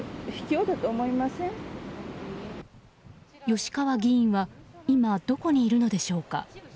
吉川議員は今どこにいるのでしょうか。